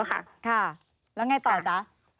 ค่ะแล้วอย่างไรต่อจ๊ะ